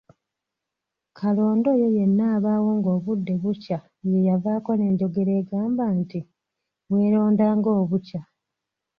Kalonda oyo yenna abaawo ng'obudde bukya yeeyavaako n'enjogera egamba nti, "weeronda ng'obukya!"